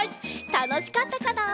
たのしかったかな？